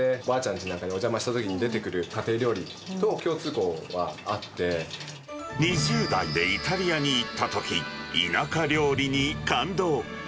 ちなんかにお邪魔したときに、出てくる家庭料理と共２０代でイタリアに行ったとき、田舎料理に感動。